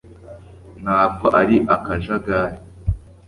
ntabwo ari akajagari